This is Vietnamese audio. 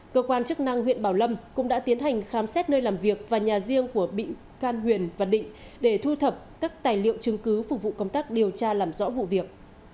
cơ quan chức năng huyện bảo lâm cũng đã tiến hành khám xét nơi làm việc và nhà riêng của bị can huyền và định để thu thập các tài liệu chứng cứ phục vụ công tác điều tra làm rõ vụ việc